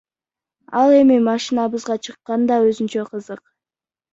Ал эми машинабызга чыккан да өзүнчө кызык.